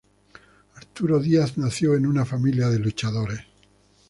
Arturo Díaz nació en una familia de luchadores.